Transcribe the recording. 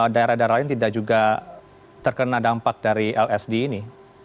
daerah daerah lain tidak juga terkena dampak dari lsd ini